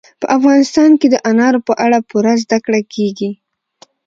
په افغانستان کې د انارو په اړه پوره زده کړه کېږي.